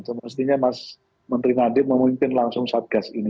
semestinya mas menteri nadiem memimpin langsung satgas ini